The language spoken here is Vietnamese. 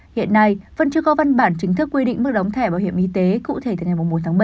hiện nay vẫn chưa có văn bản chính thức quy định mức đóng thẻ bảo hiểm y tế cụ thể từ ngày một một bảy hai nghìn hai mươi bốn